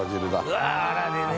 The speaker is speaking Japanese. うわっあらでね。